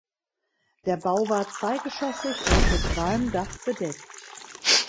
Der Bau war zweigeschossig und mit Walmdach bedeckt.